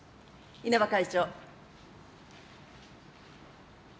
稲葉会長。